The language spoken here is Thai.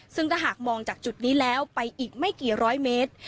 ซึ่งถ้าหากมองจากจุดนี้แล้วไปอีกไม่กี่ร้อยเมตร